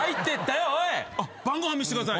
あっ晩ご飯見せてください。